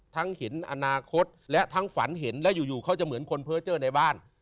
เห็นอนาคตและทั้งฝันเห็นและอยู่เขาจะเหมือนคนเพอร์เจอร์ในบ้าน